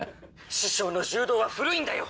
師匠の柔道は古いんだよ。